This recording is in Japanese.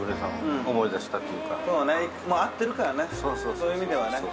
そういう意味ではね。